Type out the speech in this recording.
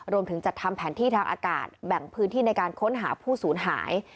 จัดทำแผนที่ทางอากาศแบ่งพื้นที่ในการค้นหาผู้สูญหาย